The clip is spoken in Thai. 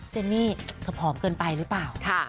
เจนนี่เธอผอมเกินไปหรือเปล่า